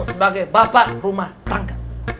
sebagai bapak rumah tangga